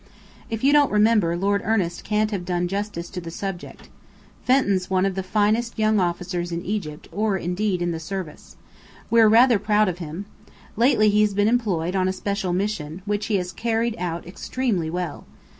"If you don't remember, Lord Ernest can't have done justice to the subject. Fenton's one of the finest young officers in Egypt, or indeed, in the service. We're rather proud of him. Lately he's been employed on a special mission, which he has carried out extremely well.